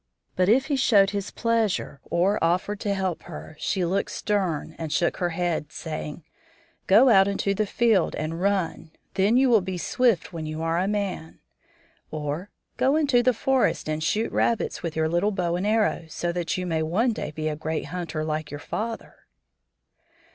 But if he showed his pleasure or offered to help her, she looked stern and shook her head, saying, "Go out into the field and run; then you will be swift when you are a man;" or "go into the forest and shoot rabbits with your little bow and arrow, so that you may one day be a great hunter like your father."